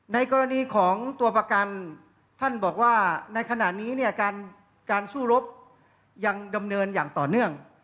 ในกรณีของตัวประกันท่านบอกว่าในขณะนี้เนี่ยการสู้รบยังดำเนินอย่างต่อเนื่อง